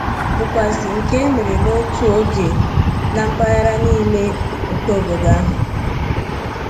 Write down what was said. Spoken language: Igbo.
bụkwazị nke e mere n'otu oge na mpaghara niile nke obodo ahụ